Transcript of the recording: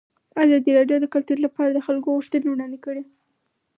ازادي راډیو د کلتور لپاره د خلکو غوښتنې وړاندې کړي.